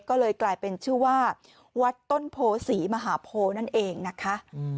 ก็เลยกลายเป็นชื่อว่าวัดต้นโพศรีมหาโพนั่นเองนะคะ